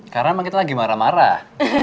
karena emang kita lagi marah marah